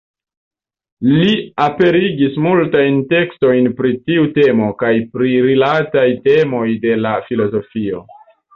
Li aperigis multajn tekstojn pri tiu temo kaj pri rilataj temoj de la filozofio.